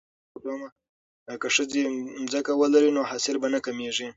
که ښځې ځمکه ولري نو حاصل به نه کمیږي.